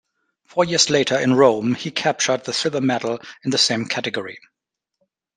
Four years later in Rome he captured the silver medal in the same category.